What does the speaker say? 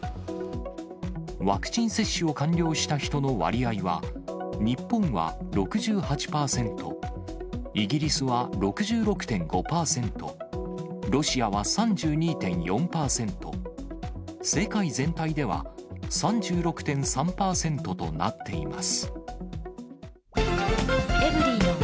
ワクチン接種を完了した人の割合は、日本は６８％、イギリスは６６．５％、ロシアは３２．４％、世界全体では３６．３％となっています。